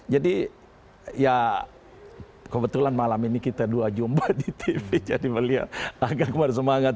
jadi ya kebetulan malam ini kita dua jumpa di tv jadi melihat agak bersemangat